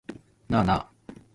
なあなあ